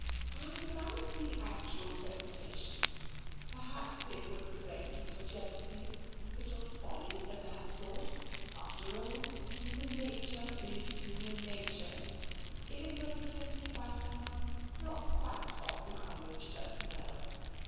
"And about the actual presentation? Perhaps it would prevent little jealousies, little follies of that sort — after all, human nature is human nature — if it were presented by someone not quite of the College personnel?